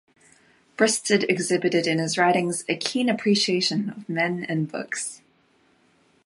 Bristed exhibited in his writings a keen appreciation of men and books.